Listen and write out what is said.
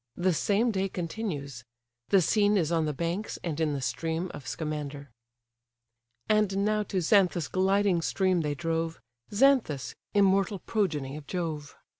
The same day continues. The scene is on the banks and in the stream of Scamander. And now to Xanthus' gliding stream they drove, Xanthus, immortal progeny of Jove.